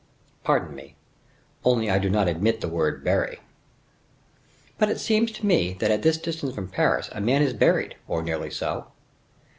"Pardon me. Only I do not admit the word bury." "But it seems to me, that at this distance from Paris a man is buried, or nearly so."